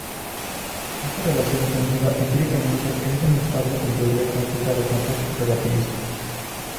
Esta relación, conocida empíricamente, es demostrable en teoría cuántica de campos relativista.